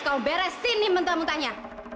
kan mandi ya